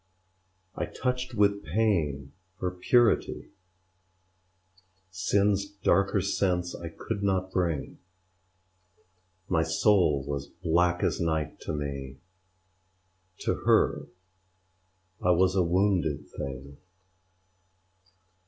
I touched with pain her purity; Sin's darker sense I could not bring: My soul was black as night to me: To her I was a wounded thing.